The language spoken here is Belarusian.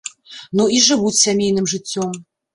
Ну і жывуць сямейным жыццём.